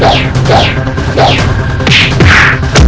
terima kasih raden